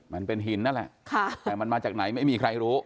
มันเป็นหินนั่นแหละแต่มันมาจากไหนไม่มีใครรู้